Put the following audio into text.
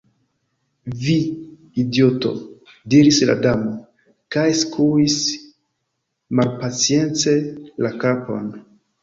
"Vi idioto!" diris la Damo, kaj skuis malpacience la kapon.